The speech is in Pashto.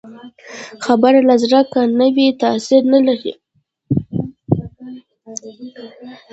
خبره له زړه که نه وي، تاثیر نه لري